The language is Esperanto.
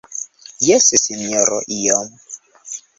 Jes, Sinjoro, iom.